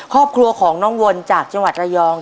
ครอบครัวของน้องวนจากจังหวัดระยอง